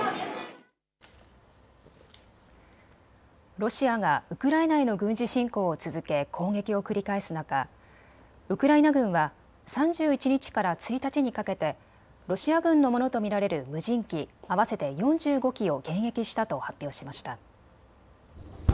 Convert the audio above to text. ロシアがウクライナへの軍事侵攻を続け攻撃を繰り返す中、ウクライナ軍は３１日から１日にかけてロシア軍のものと見られる無人機、合わせて４５機を迎撃したと発表しました。